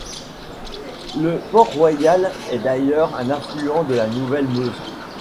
Le port Royal est d'ailleurs un affluent de la Nouvelle Meuse.